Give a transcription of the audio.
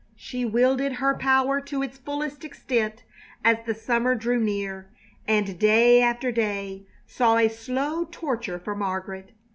She wielded her power to its fullest extent as the summer drew near, and day after day saw a slow torture for Margaret.